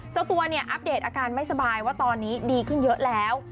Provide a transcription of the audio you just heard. เจ้าตัวเนี่ยอัปเดตอาการไม่สบายว่าตอนนี้ดีขึ้นเยอะแล้ว